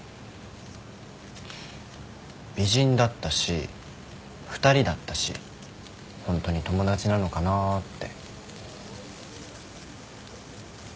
美人だったし２人だったしホントに友達なのかなぁって。